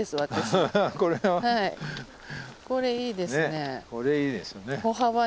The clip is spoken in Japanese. ねこれいいですよね。